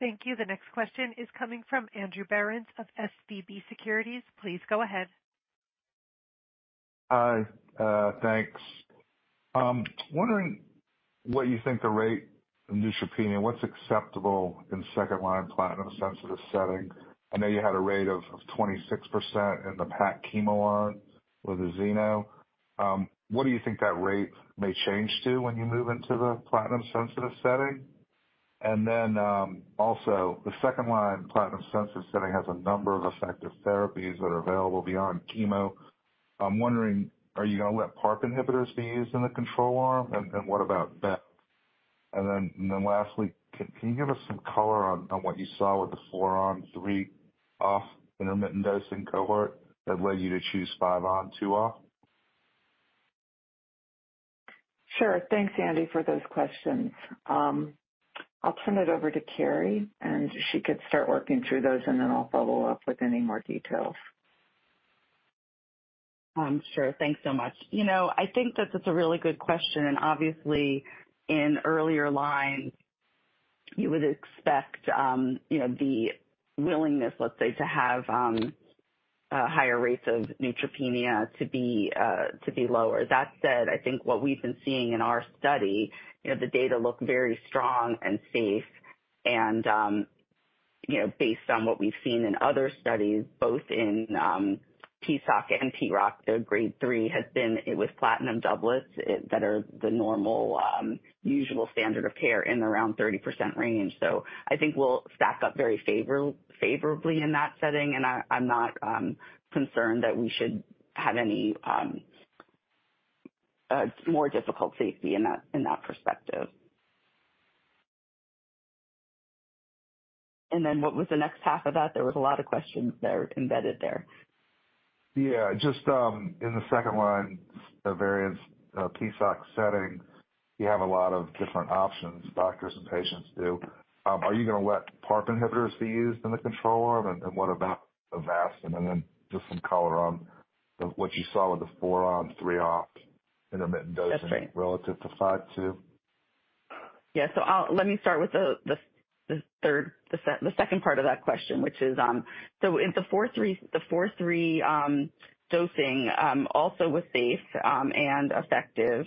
Thank you. The next question is coming from Andrew Berens of SVB Securities. Please go ahead. Hi, thanks. Wondering what you think the rate of neutropenia, what's acceptable in second-line platinum-sensitive setting? I know you had a rate of 26% in the paclitaxel chemo arm with the azenosertib. What do you think that rate may change to when you move into the platinum-sensitive setting? Also the second line, platinum-sensitive setting has a number of effective therapies that are available beyond chemo. I'm wondering, are you going to let PARP inhibitors be used in the control arm, and what about that? Lastly, can you give us some color on what you saw with the 4-on/3-off intermittent dosing cohort that led you to choose 5-on/2-off? Sure. Thanks, Andrew, for those questions. I'll turn it over to Carrie. She could start working through those. I'll follow up with any more details. Sure. Thanks so much. You know, I think that it's a really good question. Obviously in earlier lines you would expect, you know, the willingness, let's say, to have higher rates of neutropenia to be lower. That said, I think what we've been seeing in our study, you know, the data look very strong and safe, you know, based on what we've seen in other studies, both in PSOC and PROC, the grade three has been with platinum doublets that are the normal, usual standard of care in around 30% range. I think we'll stack up very favorably in that setting, and I'm not concerned that we should have any more difficult safety in that, in that perspective. Then what was the next half of that? There was a lot of questions there embedded there. Yeah, just, in the second line, the various, PSOC setting, you have a lot of different options, doctors and patients do. Are you going to let PARP inhibitors be used in the control arm, what about Avastin? Just some color on the, what you saw with the four-on/three-off intermittent dosing. That's great. relative to 5-2. Yeah. Let me start with the third, the second part of that question, which is, in the 4-3, the 4-3 dosing also was safe and effective.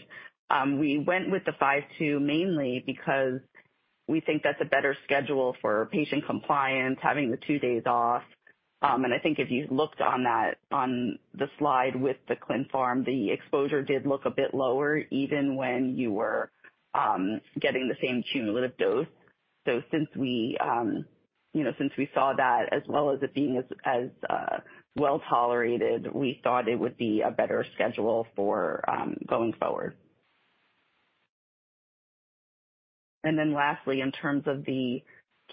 We went with the 5-2 mainly because we think that's a better schedule for patient compliance, having the 2 days off. I think if you looked on that, on the slide with the clin pharm, the exposure did look a bit lower even when you were getting the same cumulative dose. Since we, you know, since we saw that, as well as it being as well tolerated, we thought it would be a better schedule for going forward. Lastly, in terms of the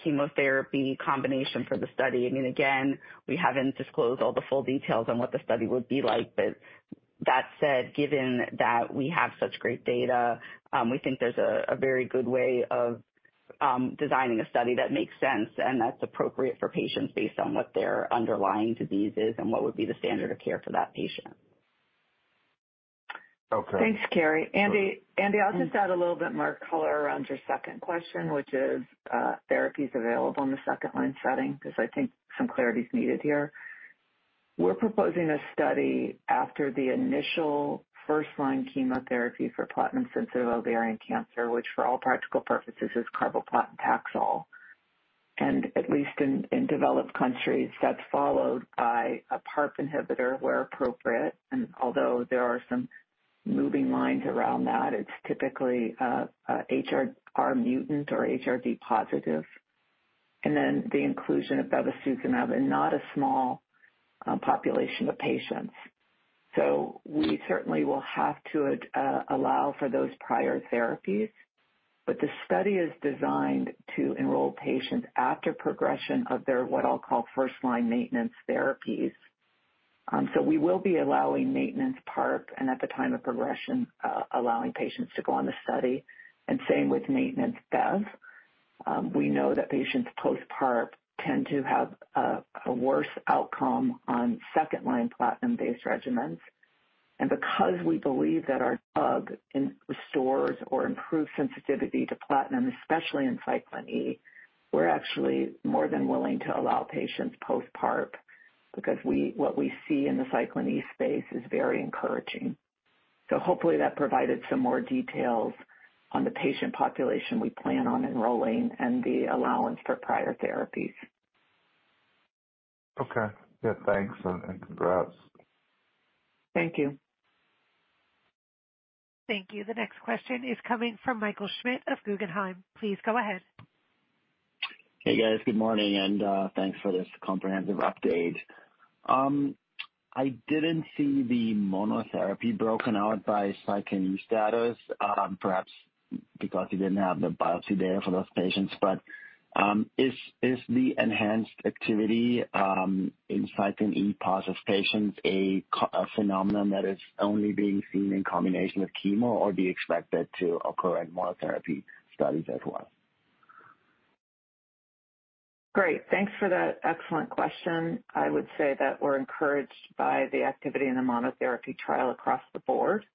chemotherapy combination for the study, I mean, again, we haven't disclosed all the full details on what the study would be like. That said, given that we have such great data, we think there's a very good way of designing a study that makes sense and that's appropriate for patients based on what their underlying disease is and what would be the standard of care for that patient. Okay. Thanks, Carrie. Andy, I'll just add a little bit more color around your second question, which is, therapies available in the second line setting, because I think some clarity is needed here. We're proposing a study after the initial first-line chemotherapy for platinum-sensitive ovarian cancer, which for all practical purposes, is carboplatin Taxol, at least in developed countries, that's followed by a PARP inhibitor where appropriate, although there are some moving lines around that, it's typically a HRR mutant or HRD positive. Then the inclusion of bevacizumab and not a small population of patients. We certainly will have to allow for those prior therapies, but the study is designed to enroll patients after progression of their, what I'll call, first-line maintenance therapies. We will be allowing maintenance PARP and at the time of progression, allowing patients to go on the study and same with maintenance bev. We know that patients post-PARP tend to have a worse outcome on second-line platinum-based regimens. Because we believe that our drug restores or improves sensitivity to platinum, especially in Cyclin E, we're actually more than willing to allow patients post-PARP because we, what we see in the Cyclin E space is very encouraging. Hopefully that provided some more details on the patient population we plan on enrolling and the allowance for prior therapies. Okay. Yeah, thanks, and congrats. Thank you. Thank you. The next question is coming from Michael Schmidt of Guggenheim. Please go ahead. Hey, guys. Good morning, and thanks for this comprehensive update. I didn't see the monotherapy broken out by cyclin E status, perhaps because you didn't have the biopsy data for those patients. Is the enhanced activity in cyclin E positive patients, a phenomenon that is only being seen in combination with chemo, or do you expect that to occur in monotherapy studies as well? Great. Thanks for that excellent question. I would say that we're encouraged by the activity in the monotherapy trial across the board.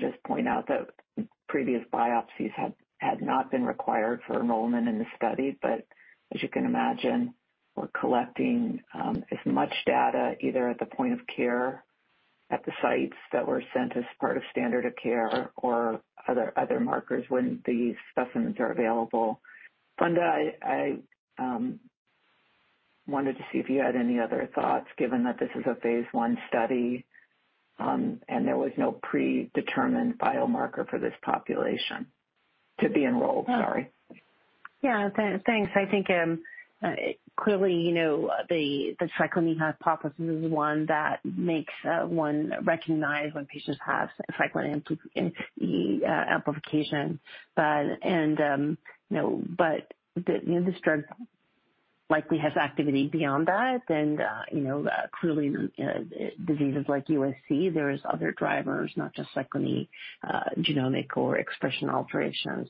Just point out that previous biopsies had not been required for enrollment in the study. As you can imagine, we're collecting as much data, either at the point of care at the sites that were sent as part of standard of care or other markers when these specimens are available. Funda, I wanted to see if you had any other thoughts, given that this is a phase 1 study, and there was no predetermined biomarker for this population to be enrolled, sorry. Thanks. I think clearly, you know, the Cyclin E hypothesis is one that makes one recognize when patients have Cyclin E amplification. You know, but the, you know, this drug likely has activity beyond that, and, you know, clearly, diseases like USC, there is other drivers, not just Cyclin E, genomic or expression alteration.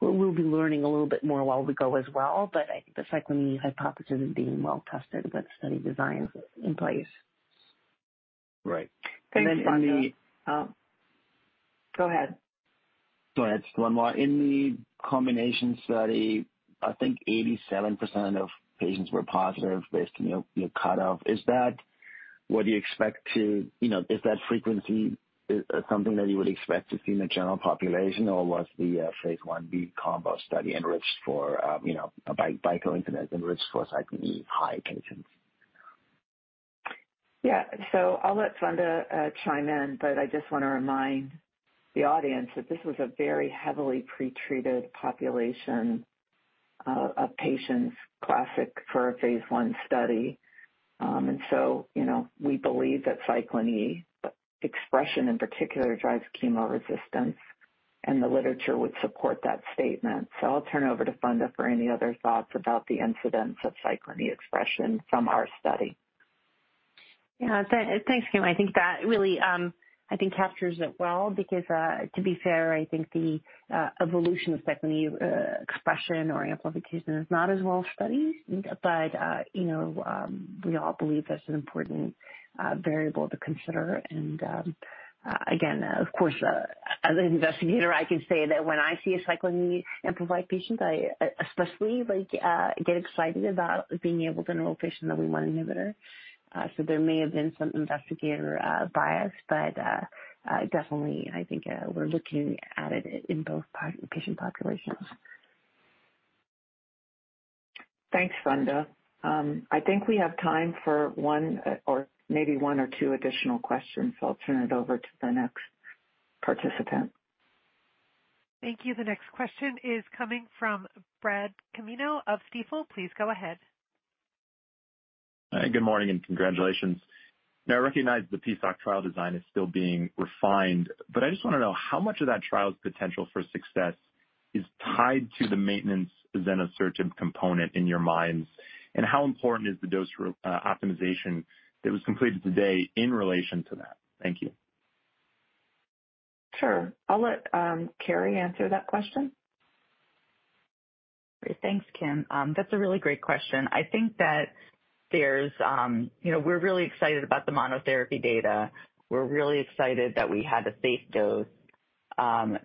We'll be learning a little bit more while we go as well, but I think the Cyclin E hypothesis is being well tested with the study designs in place. Right. Thanks, Funda. And then in the, um- Go ahead. Go ahead, one more. In the combination study, I think 87% of patients were positive based on your cutoff. You know, is that frequency is something that you would expect to see in the general population, or was the phase 1b combo study enriched for, you know, by bicloster enriched for Cyclin E high patients? I'll let Funda chime in, but I just want to remind the audience that this was a very heavily pretreated population of patients, classic for a phase one study. You know, we believe that Cyclin E expression in particular, drives chemoresistance, and the literature would support that statement. I'll turn over to Funda for any other thoughts about the incidence of Cyclin E expression from our study. Yeah. Thanks, Kim. I think that really, I think captures it well, because, to be fair, I think the evolution of Cyclin E expression or amplification is not as well studied. You know, we all believe that's an important variable to consider. Again, of course, as an investigator, I can say that when I see a Cyclin E amplified patient, I especially like get excited about being able to enroll patient in the WEE1 inhibitor. There may have been some investigator bias, but definitely I think we're looking at it in both patient populations. Thanks, Funda. I think we have time for one, or maybe one or two additional questions, so I'll turn it over to the next participant. Thank you. The next question is coming from Bradley Canino of Stifel. Please go ahead. Hi, good morning, and congratulations. Now, I recognize the PSOC trial design is still being refined, but I just want to know how much of that trial's potential for success is tied to the maintenance azenosertib component in your minds, and how important is the dose optimization that was completed today in relation to that? Thank you. Sure. I'll let Carrie answer that question. Great. Thanks, Kimberly. That's a really great question. I think that there's, you know, we're really excited about the monotherapy data. We're really excited that we had a safe dose,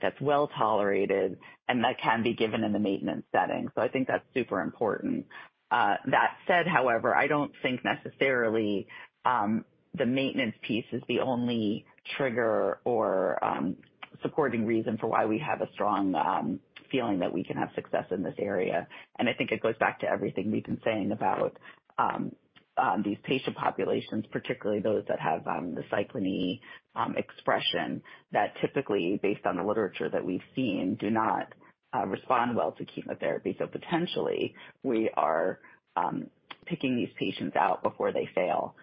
that's well tolerated and that can be given in the maintenance setting. I think that's super important. That said, however, I don't think necessarily, the maintenance piece is the only trigger or supporting reason for why we have a strong feeling that we can have success in this area. I think it goes back to everything we've been saying about these patient populations, particularly those that have the Cyclin E expression, that typically based on the literature that we've seen, do not respond well to chemotherapy. Potentially, we are picking these patients out before they fail.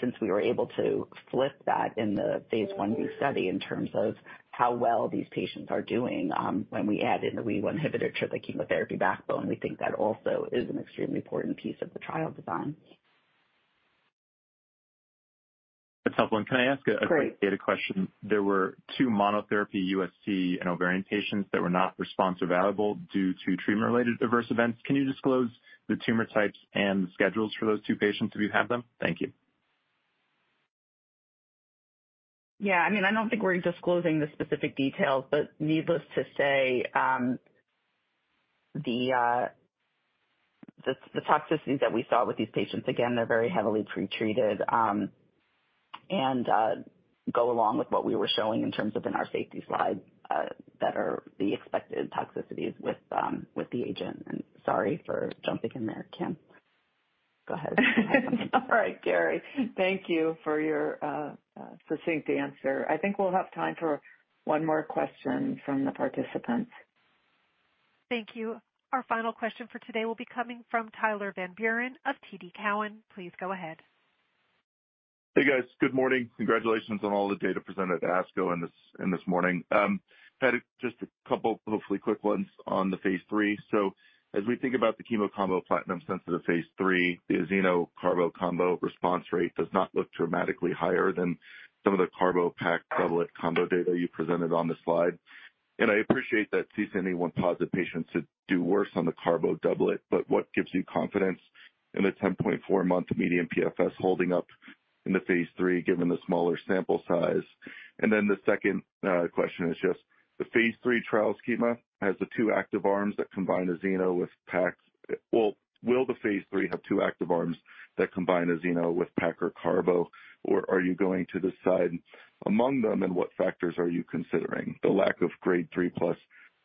Since we were able to flip that in the phase 1b study, in terms of how well these patients are doing, when we add in the WEE1 inhibitor to the chemotherapy backbone, we think that also is an extremely important piece of the trial design. That's helpful. Can I ask. Great... quick data question? There were 2 monotherapy, USC and ovarian patients that were not responsive viable due to treatment-related adverse events. Can you disclose the tumor types and the schedules for those 2 patients if you have them? Thank you. Yeah. I mean, I don't think we're disclosing the specific details, but needless to say, the toxicities that we saw with these patients, again, they're very heavily pretreated, and go along with what we were showing in terms of in our safety slide, that are the expected toxicities with the agent. Sorry for jumping in there, Kimberly, go ahead. All right, Carrie, thank you for your succinct answer. I think we'll have time for one more question from the participants. Thank you. Our final question for today will be coming from Tyler Van Buren of TD Cowen. Please go ahead. Hey, guys. Good morning. Congratulations on all the data presented at ASCO this morning. Had just a couple hopefully quick ones on the Phase 3. As we think about the chemo combo platinum-sensitive Phase 3, the azeno carbo combo response rate does not look dramatically higher than some of the carbo-pac doublet combo data you presented on the slide. I appreciate that CCNE1 positive patients do worse on the carbo doublet, but what gives you confidence in the 10.4-month median PFS holding up in the Phase 3, given the smaller sample size? The second question is just the Phase 3 trial schema has the two active arms that combine azeno with PAC. Will the Phase 3 have two active arms that combine azeno with PAC or carbo, or are you going to decide among them? What factors are you considering? The lack of Grade 3 plus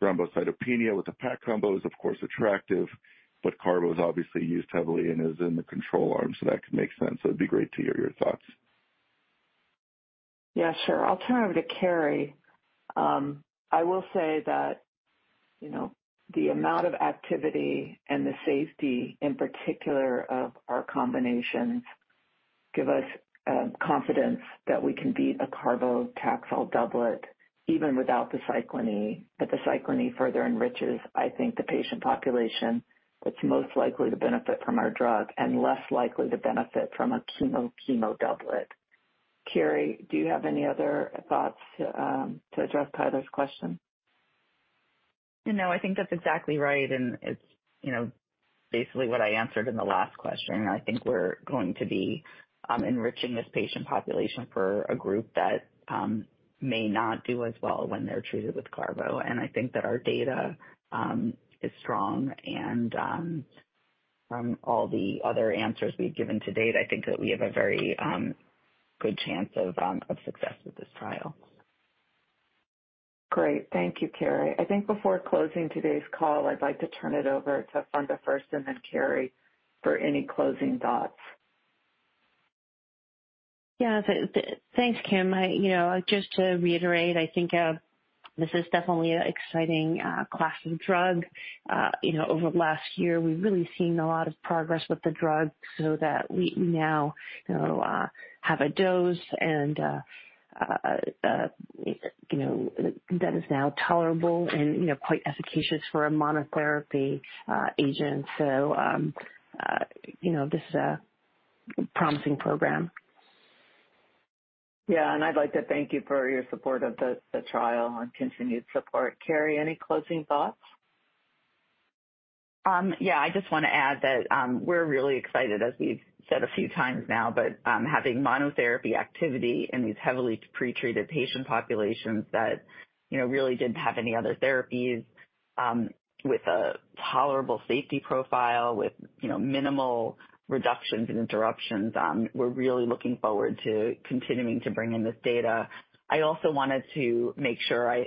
thrombocytopenia with the PAC combo is, of course, attractive, but carbo is obviously used heavily and is in the control arm, so that could make sense. It'd be great to hear your thoughts. Sure. I'll turn it over to Carrie. I will say that, you know, the amount of activity and the safety in particular of our combinations give us confidence that we can beat a carbo-Taxol doublet even without the cyclin. The cyclin further enriches, I think, the patient population that's most likely to benefit from our drug and less likely to benefit from a chemo-chemo doublet. Carrie, do you have any other thoughts to address Tyler's question? No, I think that's exactly right, and it's, you know, basically what I answered in the last question. I think we're going to be enriching this patient population for a group that may not do as well when they're treated with carbo. I think that our data is strong, and from all the other answers we've given to date, I think that we have a very good chance of success with this trial. Great. Thank you, Carrie. I think before closing today's call, I'd like to turn it over to Funda first and then Carrie for any closing thoughts. Thanks, Kimberly. I, you know, just to reiterate, I think, this is definitely an exciting class of drug. You know, over the last year, we've really seen a lot of progress with the drug so that we now, you know, have a dose and, you know, that is now tolerable and, you know, quite efficacious for a monotherapy agent. You know, this is a promising program. Yeah, I'd like to thank you for your support of the trial and continued support. Carrie, any closing thoughts? Yeah. I just want to add that we're really excited, as we've said a few times now, having monotherapy activity in these heavily pretreated patient populations that, you know, really didn't have any other therapies, with a tolerable safety profile, with, you know, minimal reductions and interruptions, we're really looking forward to continuing to bring in this data. I also wanted to make sure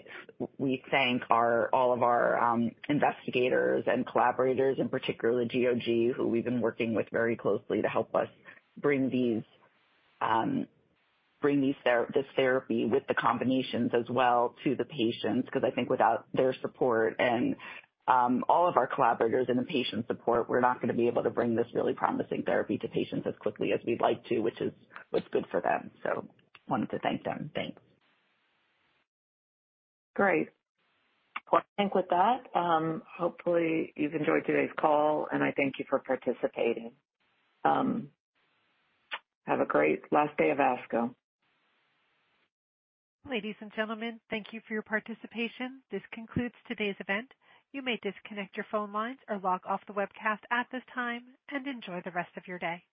we thank all of our investigators and collaborators, in particular the GOG, who we've been working with very closely to help us bring this therapy with the combinations as well to the patients. I think without their support and all of our collaborators and the patient support, we're not going to be able to bring this really promising therapy to patients as quickly as we'd like to, which is what's good for them. wanted to thank them. Thanks. Great. I think with that, hopefully you've enjoyed today's call, and I thank you for participating. Have a great last day of ASCO. Ladies and gentlemen, thank you for your participation. This concludes today's event. You may disconnect your phone lines or log off the webcast at this time, and enjoy the rest of your day.